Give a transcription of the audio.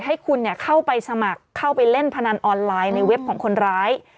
ให้คุณเข้าไปสมัครเข้าไปเล่นพนันออนไลน์ในเว็บของคนร้าย